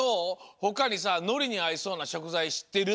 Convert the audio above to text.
ほかにさのりにあいそうなしょくざいしってる？